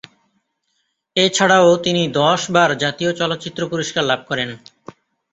এছাড়াও তিনি দশ বার জাতীয় চলচ্চিত্র পুরষ্কার লাভ করেন।